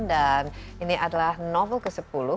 dan ini adalah novel ke sepuluh